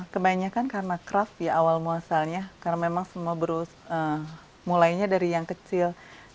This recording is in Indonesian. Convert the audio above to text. kebanyakan karena craft ya awal muasalnya karena memang semua mulainya dari yang kecil